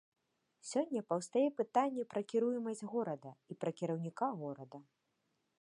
Сёння паўстае пытанне пра кіруемасць горада і пра кіраўніка горада.